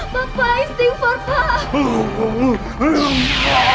bapak istighfar pak